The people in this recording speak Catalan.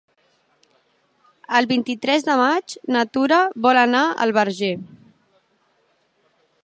El vint-i-tres de maig na Tura vol anar al Verger.